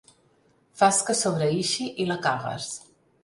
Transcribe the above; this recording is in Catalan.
Fas que sobreïxi i la cagues.